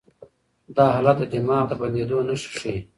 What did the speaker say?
دا حالت د دماغ د بندېدو نښې ښيي.